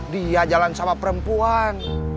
dia jalan sama perempuan